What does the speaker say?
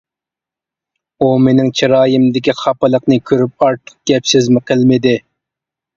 ئۇ مېنىڭ چىرايىمدىكى خاپىلىقنى كۆرۈپ ئارتۇق گەپ-سۆزمۇ قىلمىدى.